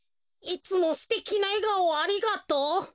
「いつもすてきなえがおをありがとう。